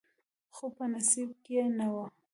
خو په نصیب کې یې نه و.